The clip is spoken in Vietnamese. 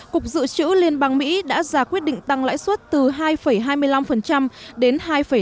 cục dự trữ liên bang mỹ đã ra quyết định tăng lãi suất từ hai hai mươi năm đến hai bảy